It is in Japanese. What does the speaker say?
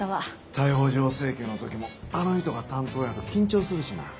逮捕状請求の時もあの人が担当やと緊張するしな。